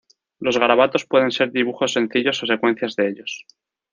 Los garabatos pueden ser dibujos sencillos o secuencias de ellos.